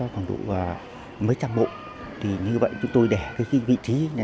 ví dụ mấy trăm bộ thì như vậy chúng tôi để cái vị trí này